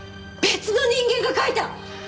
別の人間が書いた！